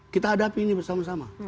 kita hadapi ini bersama sama